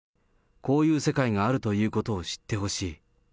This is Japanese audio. こういう世界があるということを知ってほしい。